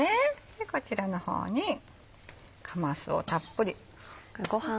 でこちらの方にかますをたっぷり。